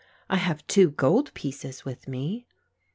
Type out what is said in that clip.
I have two gold pieces with me."